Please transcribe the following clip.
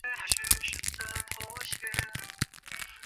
嘧啶是胞嘧啶和胸腺嘧啶。